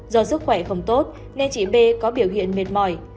do sức khỏe không tốt nên chị b có biểu hiện mệt mỏi